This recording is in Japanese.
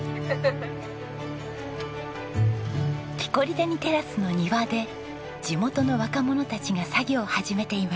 キコリ谷テラスの庭で地元の若者たちが作業を始めています。